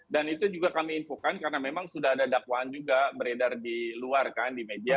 dan itu juga kami infokan karena memang sudah ada dakwaan juga beredar di luar kan di media